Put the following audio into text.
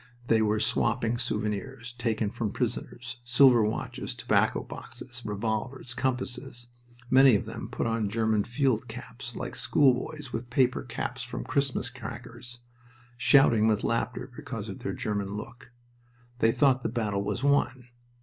They were "swapping" souvenirs taken from prisoners silver watches, tobacco boxes, revolvers, compasses. Many of them put on German field caps, like schoolboys with paper caps from Christmas crackers, shouting with laughter because of their German look. They thought the battle was won.